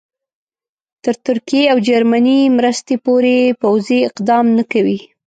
تر ترکیې او جرمني مرستې پورې پوځي اقدام نه کوي.